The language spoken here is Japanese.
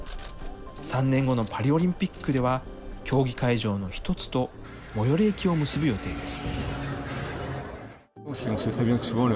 ３年後のパリオリンピックでは、競技会場の一つと最寄り駅を結ぶ予定です。